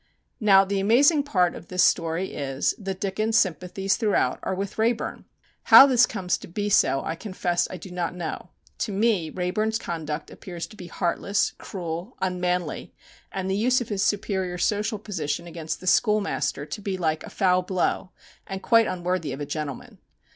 Now the amazing part of this story is, that Dickens' sympathies throughout are with Wrayburn. How this comes to be so I confess I do not know. To me Wrayburn's conduct appears to be heartless, cruel, unmanly, and the use of his superior social position against the schoolmaster to be like a foul blow, and quite unworthy of a gentleman.